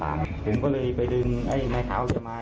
แล้วกูจะร่วงไม่ครับ